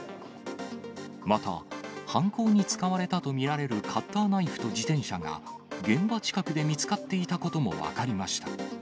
また、犯行に使われたと見られるカッターナイフと自転車が、現場近くで見つかっていたことも分かりました。